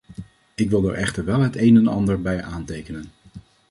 Ik wil daar echter wel het een en ander bij aantekenen.